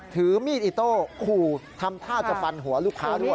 ถือมีดอิโต้ขู่ทำท่าจะฟันหัวลูกค้าด้วย